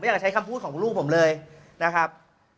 อยากใช้คำพูดของลูกผมเลยนะครับ